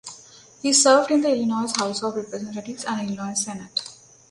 He served in the Illinois House of Representatives and Illinois Senate.